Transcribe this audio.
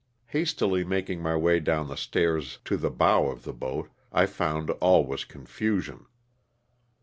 Hastily making my way down the stairs to the bow of the boat, I found all was confusion.